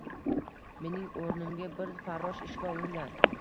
Mening o‘rnimga bir farrosh ishga olingan